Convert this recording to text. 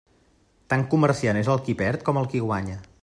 Tan comerciant és el qui perd com el qui guanya.